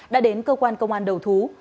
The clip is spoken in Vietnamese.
đã đến cơ quan công an đầu thú